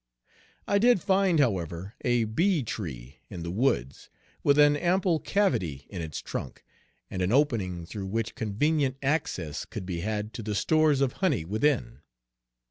I did find, however, a bee tree in the woods, with an ample cavity in its trunk, and an opening through which convenient access could be had to the stores of honey within.